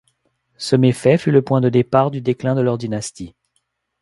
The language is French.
Ce méfait fut le point de départ du déclin de leur dynastie.